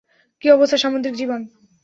কী অবস্থা সামুদ্রিক জীবন?